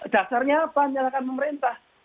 dasarnya apa menyalahkan pemerintah